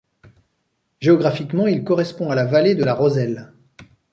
Géographiquement, il correspond à la vallée de la Rosselle.